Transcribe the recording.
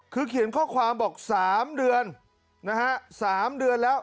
คือเขียนข้อความบอก๓เดือนนะฮะ๓เดือนแล้ว